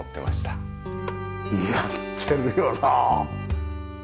似合ってるよなあ。